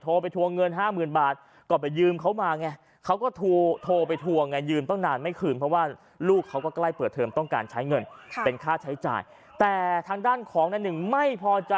โทรไปทวงเงิน๕๐๐๐๐บาทก่อนไปยืมเขามาไง